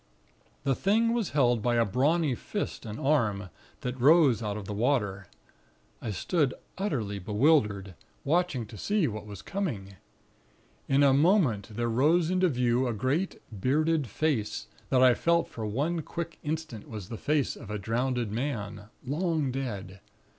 The thing was held by a brawny fist and arm, that rose out of the water. I stood utterly bewildered, watching to see what was coming. In a moment there rose into view a great bearded face, that I felt for one quick instant was the face of a drowned man, long dead.